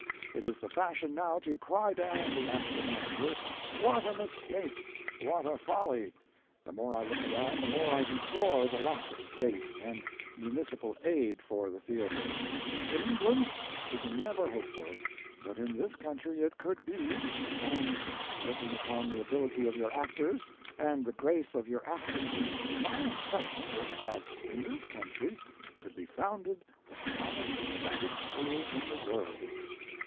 It is the fashion now to cry down the actor manager. What a mistake! What a folly! The more I look around the more I deplore the lack of State and municipal aid for the theatre. In England we can never hope for it, but in this country it could be, and looking upon the ability of your actors and the grace of your actresses my impression is that in this country could be founded the finest dramatic school in the world."